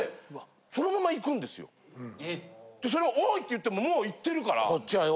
それを「オイ！」って言ってももう行ってるから。